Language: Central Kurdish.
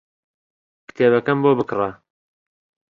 کتێبەکەم بۆ بکڕە.